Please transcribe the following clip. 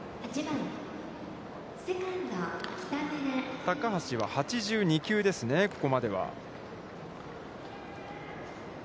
高橋は８２球ですね、ここまでは。